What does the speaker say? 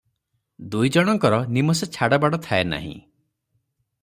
ଦୁଇଜଣଙ୍କର ନିମଷେ ଛାଡ଼ବାଡ଼ ଥାଏନାହିଁ ।